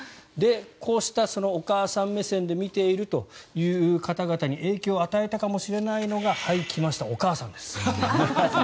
こうしたお母さん目線で見ているという方々に影響を与えたかもしれないのがはい来ました、お母さんです。